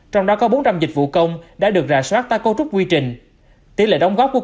trong đó có bốn trăm linh dịch vụ công đã được rà soát tại cấu trúc quy trình